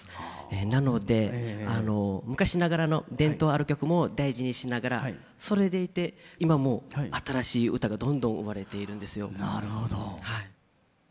なので昔ながらの伝統ある曲も大事にしながらそれでいて今も新しい唄がどんどん生まれているんですよ。